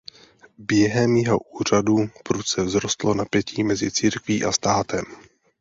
Během jeho úřadu prudce vzrostlo napětí mezi církví a státem.